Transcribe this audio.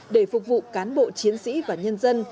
để phục vụ cán bộ chiến sĩ và nhân dân